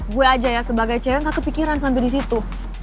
gue aja ya sebagai cewek gak kepikiran sampai di situ